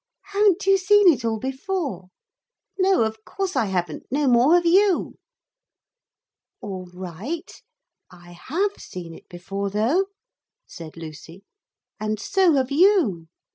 'Haven't you seen it all before?' 'No, of course I haven't. No more have you.' 'All right. I have seen it before though,' said Lucy, 'and so have you.